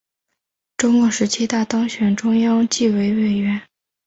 中共十七大当选中央纪委委员。